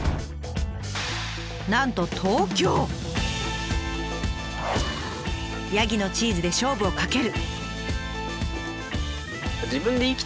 なんとヤギのチーズで勝負をかける。